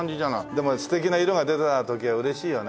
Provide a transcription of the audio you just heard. でも素敵な色が出た時は嬉しいよね。